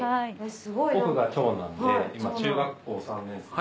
奥が長男で今中学校３年生。